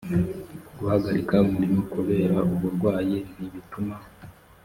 guhagarika umurimo kubera uburwayi ntibituma